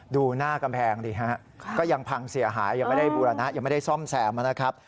ดูหน้ากำแพงดิฮะก็ยังพังเสียหายยังไม่ได้บูรณะยังไม่ได้ซ่อมแซมนะครับ